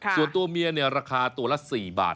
ส่วนตัวเมียเนี่ยราคาตัวละ๔บาท